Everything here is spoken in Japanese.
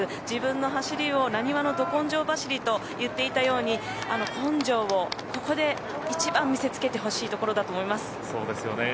自分の走りをなにわのド根性走りと言っていたように、根性をここで一番見せつけてほしいところだと思います。